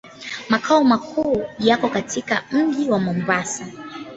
Makao makuu yako katika mji wa Mombasa.